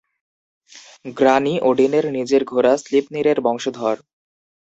Granny ওডিনের নিজের ঘোড়া স্লিপনিরের বংশধর।